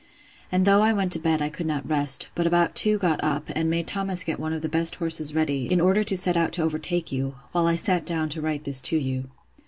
And though I went to bed, I could not rest; but about two got up, and made Thomas get one of the best horses ready, in order to set out to overtake you, while I sat down to write this to you.